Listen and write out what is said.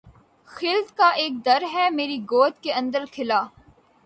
خلد کا اک در ہے میری گور کے اندر کھلا